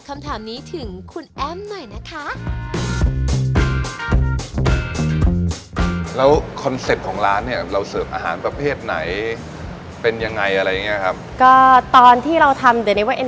เมนูกละจะสั่งสันขนาดไหน